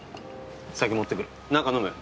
酒持ってくる何か飲む？